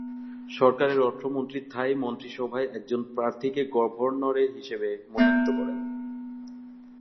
সরকারের অর্থমন্ত্রী থাই মন্ত্রিসভায় একজন প্রার্থীকে গভর্নর হিসেবে মনোনীত করেন।